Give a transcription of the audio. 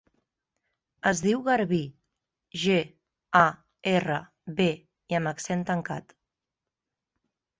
Es diu Garbí: ge, a, erra, be, i amb accent tancat.